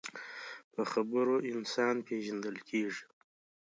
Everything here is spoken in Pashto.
په خبرو انسان پیژندل کېږي